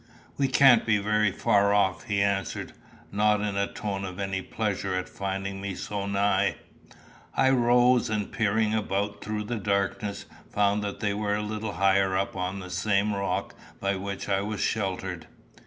"We can't be very far off," he answered, not in a tone of any pleasure at finding me so nigh. I rose, and peering about through the darkness, found that they were a little higher up on the same rock by which I was sheltered.